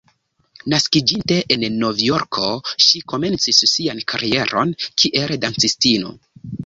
Naskiĝinte en Novjorko, ŝi komencis sian karieron kiel dancistino.